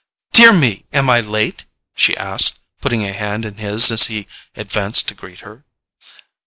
"Dear me, am I late?" she asked, putting a hand in his as he advanced to greet her.